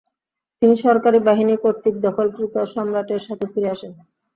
তিনি সরকারী বাহিনী কর্তৃক দখলকৃত সম্রাটের সাথে ফিরে আসেন।